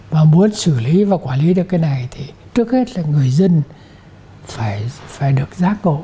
và muốn xử lý và quản lý được cái này thì trước hết là người dân phải được giá cổ